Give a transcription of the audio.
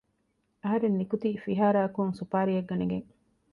އަހަރެން ނިކުތީ ފިހާރައަކުން ސުޕާރީއެއް ގަނެގެން